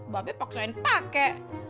ba be paksain pake